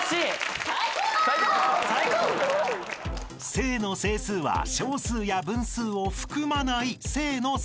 ［正の整数は小数や分数を含まない正の数］